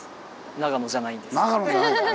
長野じゃないんだね。